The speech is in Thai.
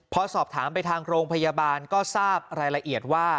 พอสอบถามไปทางโรงพยาบาลก็ทราบรายละเอียดว่า